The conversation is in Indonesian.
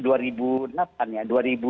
nampak kan ya